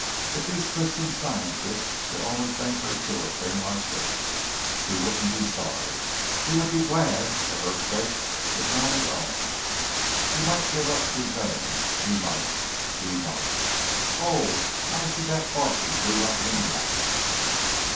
If these Christian Scientists could only think her through a thing like this he wouldn't be sorry. He would be glad, for her sake, if not his own. He might give up Suzanne he might he might. Oh, why should that thought intrude on him now?